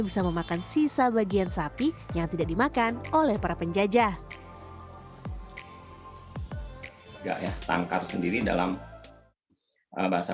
bisa memakan sisa bagian sapi yang tidak dimakan oleh para penjajah enggak ya tangkar sendiri dalam bahasa